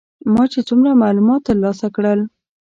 ما چې څومره معلومات تر لاسه کړل.